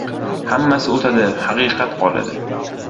• Hammasi o‘tadi, haqiqat qoladi.